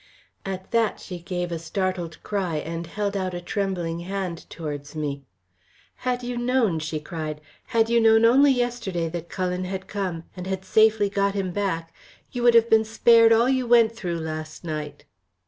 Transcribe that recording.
At that she gave a startled cry, and held out a trembling hand towards me. "Had you known," she cried, "had you known only yesterday that Cullen had come and had safely got him back, you would have been spared all you went through last night!"